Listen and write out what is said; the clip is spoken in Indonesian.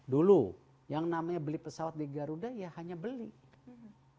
dulu yang namanya beli pesawat di garuda ya hanya beli